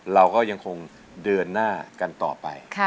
เราก็ยังคงเดินหน้ากันต่อไป